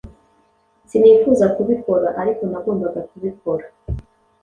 Sinifuzaga kubikora, ariko nagombaga kubikora.